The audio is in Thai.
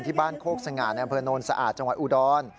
ที่บ้านโคกสงาแบบเผือนโนสะอาดจังหวัดอุดร